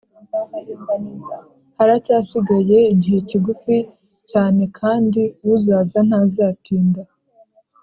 Haracyasigaye igihe kigufi cyane Kandi uzaza ntazatinda